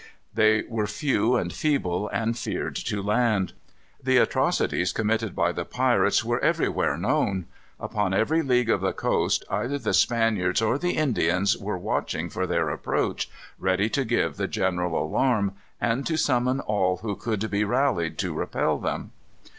They were few and feeble, and feared to land. The atrocities committed by the pirates were everywhere known. Upon every league of the coast either the Spaniards or the Indians were watching for their approach, ready to give the general alarm, and to summon all who could be rallied to repel them.